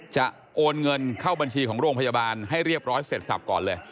โอนเงินเข้าบัญชีของโรงพยาบาลให้เรียบร้อยเสร็จสับก่อนเลย